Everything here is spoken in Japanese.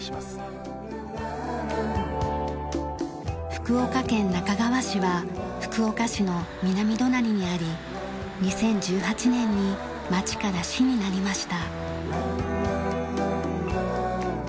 福岡県那珂川市は福岡市の南隣にあり２０１８年に町から市になりました。